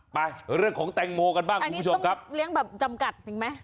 ไปเรื่องของแตงโมกันบ้างคุณผู้ชมครับเลี้ยงแบบจำกัดถึงไหม